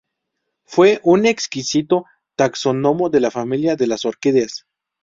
Fue un exquisito taxónomo de la familia de las orquídeas.